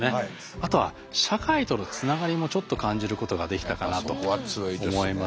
あとは社会とのつながりもちょっと感じることができたかなと思います。